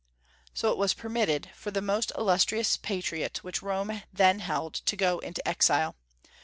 So it was permitted for the most illustrious patriot which Rome then held to go into exile.